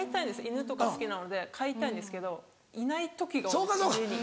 犬とか好きなので飼いたいんですけどいない時が多い家に。